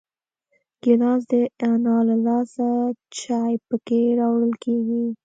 ګیلاس د انا له لاسه چای پکې راوړل کېږي.